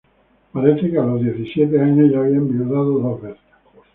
Parece que a los diecisiete años ya había enviudado dos veces.